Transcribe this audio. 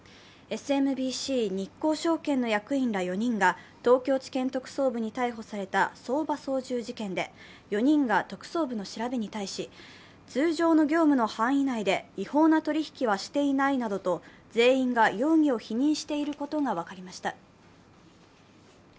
ＳＭＢＣ日興証券の役員ら４人が東京地検特捜部に逮捕された相場操縦事件で４人が特捜部の調べに対し、通常の業務の範囲内で違法な取り引きはしていないなどと全員が容疑を否認していることが分かりました。